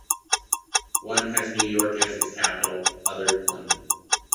One has New York as its capital, other London.